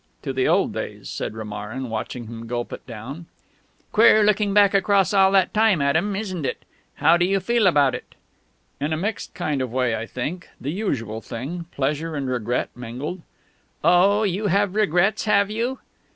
"To the old days," said Romarin, watching him gulp it down. "Queer, looking back across all that time at 'em, isn't it? How do you feel about it?" "In a mixed kind of way, I think; the usual thing: pleasure and regret mingled." "Oh, you have regrets, have you?"